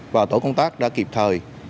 và tổ công tác đã kịp thời